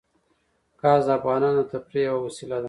ګاز د افغانانو د تفریح یوه وسیله ده.